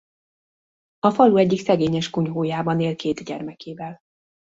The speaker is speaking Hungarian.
A falu egyik szegényes kunyhójában él két gyermekével.